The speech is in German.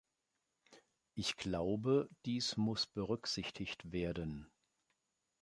Ich glaube, dies muss berücksichtigt werden.